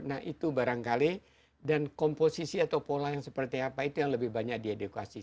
nah itu barangkali dan komposisi atau pola yang seperti apa itu yang lebih banyak diedukasi